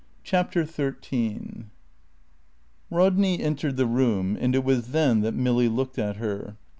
CHAPTER THIRTEEN Rodney entered the room and it was then that Milly looked at her.